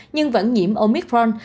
nhưng vẫn nhiễm omicron